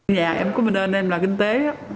nhà em có một đơn em là kinh tế